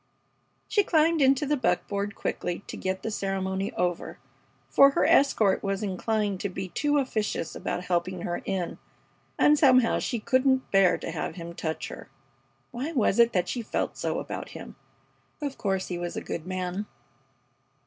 She climbed into the buckboard quickly to get the ceremony over, for her escort was inclined to be too officious about helping her in, and somehow she couldn't bear to have him touch her. Why was it that she felt so about him? Of course he must be a good man.